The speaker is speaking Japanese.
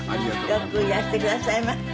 よくいらしてくださいました。